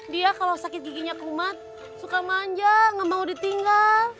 dia kalau sakit giginya kumat suka manja gak mau ditinggal